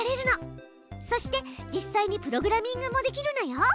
そして実際にプログラミングもできるのよ。